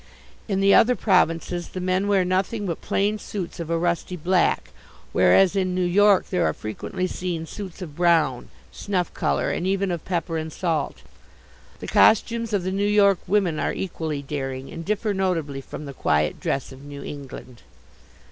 In the other provinces the men wear nothing but plain suits of a rusty black, whereas in New York there are frequently seen suits of brown, snuff colour and even of pepper and salt. The costumes of the New York women are equally daring, and differ notably from the quiet dress of New England.